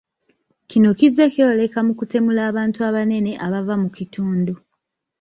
kino kizze kyeyolekera mu kutemula abantu abanene abava mu kitundu.